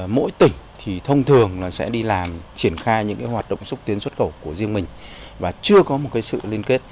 mỗi tỉnh thì thông thường sẽ đi làm triển khai những hoạt động xúc tiến xuất khẩu của riêng mình và chưa có một sự liên kết